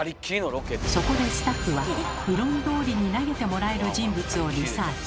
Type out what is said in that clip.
そこでスタッフは理論どおりに投げてもらえる人物をリサーチ。